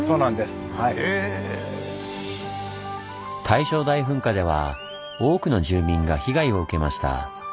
大正大噴火では多くの住民が被害を受けました。